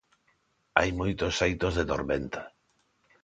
Hai moitos xeitos de tormenta.